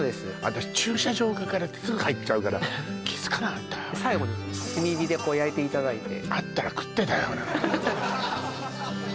私駐車場側からすぐ入っちゃうから気づかなかった最後に炭火でこう焼いていただいてあったら食ってたよ